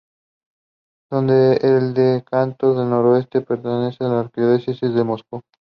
Depende del Decanato del noroeste perteneciente a la Arquidiócesis de Moscú.